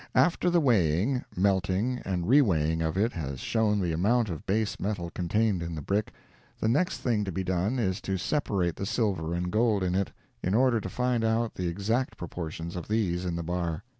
After the weighing, melting and re weighing of it has shown the amount of base metal contained in the brick, the next thing to be done is to separate the silver and gold in it, in order to find out the exact proportions of these in the bar.